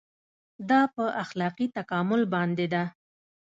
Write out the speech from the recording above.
دا په اخلاقي تکامل باندې ده.